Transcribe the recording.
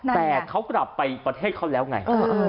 แต่เขากลับไปประเทศเขาแล้วไง